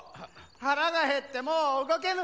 腹が減ってもう動けぬ。